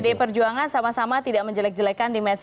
jadi pks pd perjuangan sama sama tidak menjelek jelekan di medsos ya